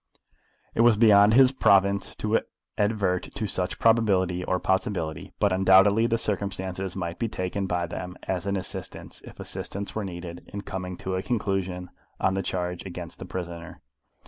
It was beyond his province to advert to such probability or possibility; but undoubtedly the circumstances might be taken by them as an assistance, if assistance were needed, in coming to a conclusion on the charge against the prisoner.